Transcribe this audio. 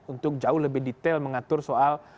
untuk jauh lebih detail mengatur soal